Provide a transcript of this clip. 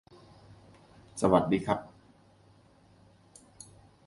Taylorville is known as the Christmas Capital of Illinois.